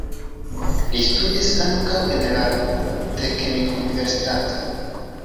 Li studis ankaŭ en la teknikuniversitato.